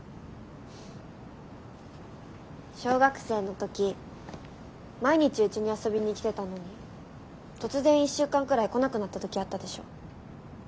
小学生の時毎日うちに遊びに来てたのに突然１週間くらい来なくなった時あったでしょ。